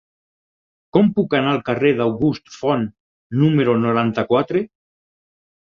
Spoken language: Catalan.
Com puc anar al carrer d'August Font número noranta-quatre?